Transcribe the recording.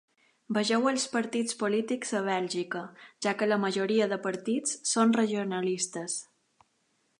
Vegeu els partits polítics a Bèlgica, ja que la majoria de partits són regionalistes.